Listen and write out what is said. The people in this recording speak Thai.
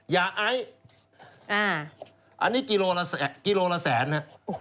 ยาไออันนี้กิโลละแสนฮะ